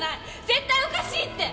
絶対おかしいって！